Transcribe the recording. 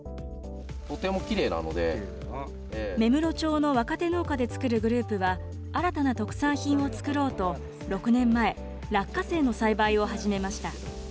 芽室町の若手農家で作るグループは、新たな特産品を作ろうと、６年前、落花生の栽培を始めました。